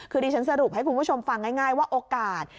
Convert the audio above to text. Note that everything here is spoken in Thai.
คือดิฉันสรุปให้คุณผู้ชมฟังง่ายว่าโอกาส